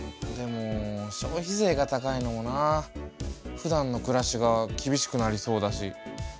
でも消費税が高いのもなあ。ふだんの暮らしが厳しくなりそうだし。